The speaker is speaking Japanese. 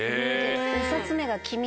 ２冊目が。